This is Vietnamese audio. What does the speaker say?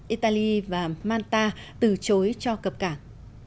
italy và manta từ chối cho cập cảng